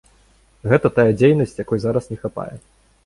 Гэта тая дзейнасць, якой зараз не хапае.